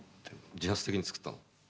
自発的に作ったの？